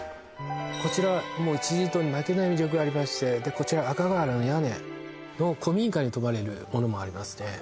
こちらはもう１次離島に負けない魅力がありましてでこちら赤瓦屋根の古民家に泊まれるものもありますね